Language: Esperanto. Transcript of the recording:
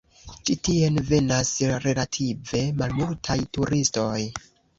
Ĉi tien venas relative malmultaj turistoj.